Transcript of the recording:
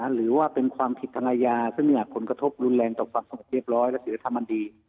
หรือว่าเป็นความผิดทางอาญาซึ่งผลกระทบรุนแรงต่อความสงบเรียบร้อยและศิลธรรมอันดี